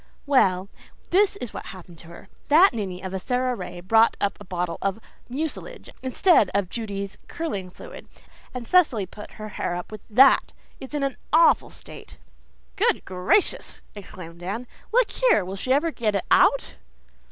"Well, this is what has happened her. That ninny of a Sara Ray brought up a bottle of mucilage instead of Judy's curling fluid, and Cecily put her hair up with THAT. It's in an awful state." "Good gracious!" exclaimed Dan. "Look here, will she ever get it out?"